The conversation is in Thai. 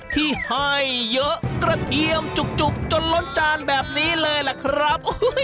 ที่ให้เยอะกระเทียมจุกจนล้นจานแบบนี้เลยล่ะครับ